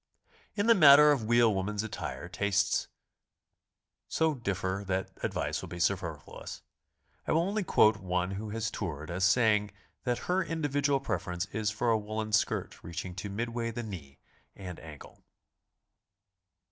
In the matter of wheel woman's attire tastes so differ tliat advice will be superfluous. I will only quote one who has toured as saying that her individual preference is for a woolen skirt reaching to midway the knee and ankle.